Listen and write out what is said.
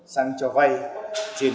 sang cho vay trên